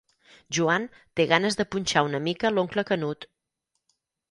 Joan té ganes de punxar una mica l'oncle Canut.